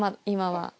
今は。